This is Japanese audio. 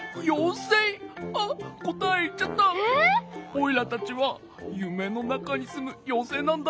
オイラたちはゆめのなかにすむようせいなんだ。